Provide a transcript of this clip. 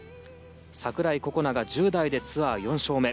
櫻井心那が１０代でツアー４勝目。